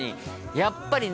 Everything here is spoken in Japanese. やっぱりね。